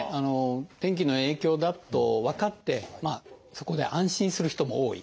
天気の影響だと分かってそこで安心する人も多い。